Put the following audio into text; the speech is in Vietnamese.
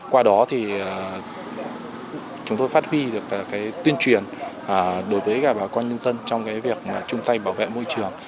qua đó thì chúng tôi phát huy được tuyên truyền đối với bà con nhân dân trong việc chung tay bảo vệ môi trường